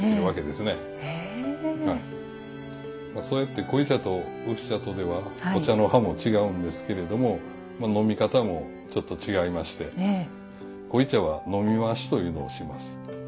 そうやって濃茶と薄茶とではお茶の葉も違うんですけれども飲み方もちょっと違いまして濃茶は飲み回しというのをします。